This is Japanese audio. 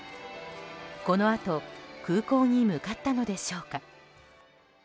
このあと空港に向かったのでしょうか。